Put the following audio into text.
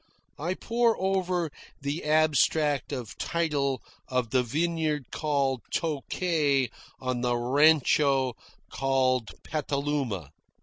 I pore over the abstract of title of the vineyard called Tokay on the rancho called Petaluma.